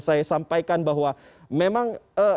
saya sampaikan bahwa memang